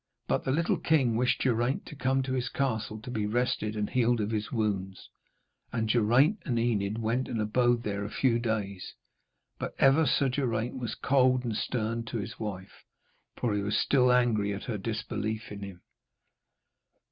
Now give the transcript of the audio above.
But the little king wished Geraint to come to his castle to be rested and healed of his wounds, and Geraint and Enid went and abode there a few days. But ever Sir Geraint was cold and stern to his wife, for he was still angry at her disbelief in him.